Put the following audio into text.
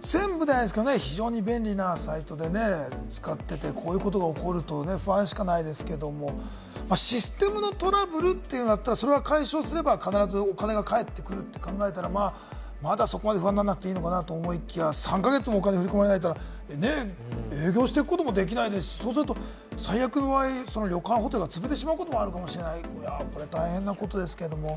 全部じゃないですけれどもね、非常に便利なサイトでね、使ってて、こういうことが起こると不安しかないですけれども、システムのトラブルとなったら、それは解消すれば、必ずお金が返ってくるって考えたら、まだそこまで不安がらなくていいのかなと思いきや、３か月もお金が振り込まれないとね、営業していくこともできないですし、最悪の場合、旅館やホテルが潰れてしまうこともあるかもしれない、大変なことですけれども。